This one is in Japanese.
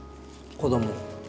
子ども。